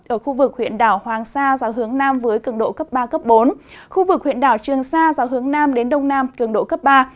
ở khu vực huyện đảo hoàng sa gió hướng nam với cường độ cấp ba bốn khu vực huyện đảo trường sa gió hướng nam đến đông nam cường độ cấp ba